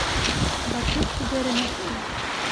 Батыр күҙҙәрен асты.